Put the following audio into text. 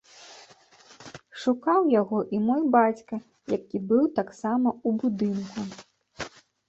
Шукаў яго і мой бацька, які быў таксама ў будынку.